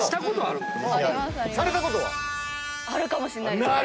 あるかもしれないです。